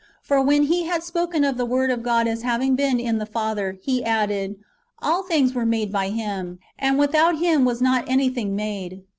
For when he had spoken of the Word of God as having been in the Father, he added, " All things were made by Him, and without Him was not anything made."